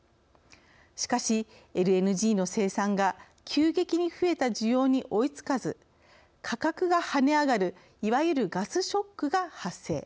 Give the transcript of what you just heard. しかし、ＬＮＧの生産が急激に増えた需要に追いつかず価格が跳ね上がるいわゆる「ガスショック」が発生。